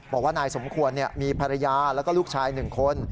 บอกว่านายสมควรมีภรรยาแล้วก็ลูกชาย๑คน